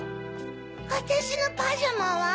わたしのパジャマは？